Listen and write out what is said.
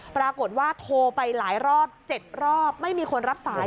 ปรากฏว่าโทรไปหลายรอบ๗รอบไม่มีคนรับสาย